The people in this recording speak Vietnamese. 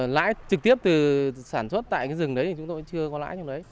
lãi trực tiếp từ sản xuất tại cái rừng đấy thì chúng tôi chưa có lãi trong đấy